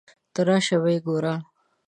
ته راشه ویې ګوره.